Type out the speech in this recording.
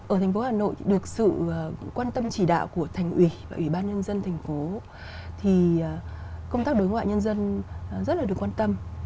ở thành phố hà nội được sự quan tâm chỉ đạo của thành ủy và ủy ban nhân dân thành phố thì công tác đối ngoại nhân dân rất là được quan tâm